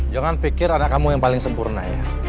jangan pikir anak kamu yang paling sempurna ya